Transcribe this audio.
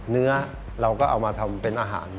เนื้อเราก็เอามาทำเป็นอาหาร